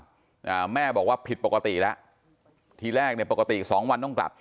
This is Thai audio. อ่าแม่บอกว่าผิดปกติแล้วทีแรกเนี่ยปกติสองวันต้องกลับ